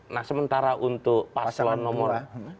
nah sementara untuk paslon nomor dua